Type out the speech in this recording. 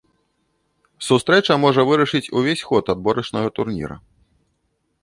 Сустрэча можа вырашыць увесь ход адборачнага турніра.